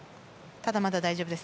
ただ、まだ大丈夫です。